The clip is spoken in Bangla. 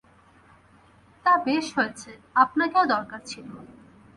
তা, বেশ হয়েছে, আপনাকেও দরকার ছিল।